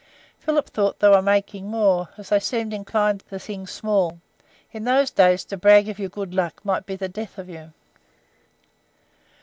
Philip thought they were making more, as they seemed inclined to sing small; in those days to brag of your good luck might be the death of you.